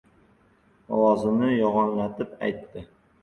Ovozini yo‘g‘onlatib aytdi: